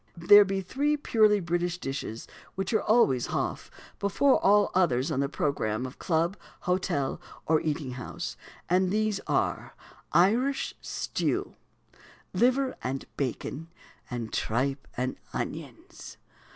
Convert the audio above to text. There be three purely British dishes which are always "hoff" before all others on the programme of club, hotel, or eating house; and these are, Irish stew, liver and bacon, and tripe and onions.